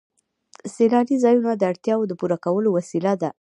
سیلاني ځایونه د اړتیاوو د پوره کولو وسیله ده.